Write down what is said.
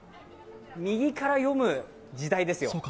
右から読む時代ですよ。